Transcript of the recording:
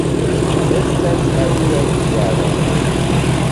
Estas aliaj kialoj.